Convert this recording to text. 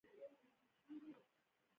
باد د کوڅې شپه را ژوندي کوي